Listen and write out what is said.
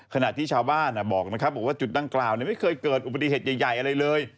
ขณะที่ชาวบ้านบอกนะครับบอกว่าจุดดังกล่าวไม่เคยเกิดอุบัติเหตุใหญ่อะไรเลย